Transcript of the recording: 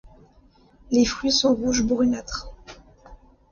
Les fruits sont rouges brunâtres.